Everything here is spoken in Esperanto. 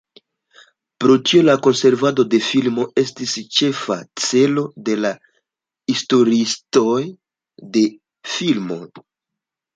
Pro tio la konservado de filmoj estis ĉefa celo de la historiistoj de filmoj.